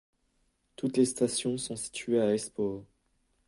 Toutes les stations sont situées à Espoo.